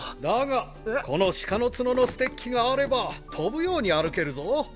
だがこの鹿の角のステッキがあれば飛ぶように歩けるぞ。